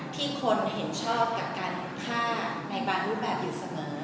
ที่คนเห็นชอบกับการฆ่าในบางรูปแบบอยู่เสมอ